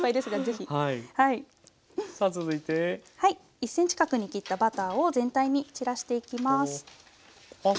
１ｃｍ角に切ったバターを全体に散らしていきます。